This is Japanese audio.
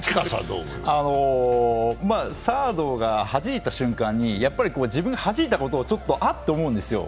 サードがはじいた瞬間に自分、はじいたことを「あっ」と思うんですよ。